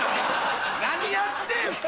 何やってんすか！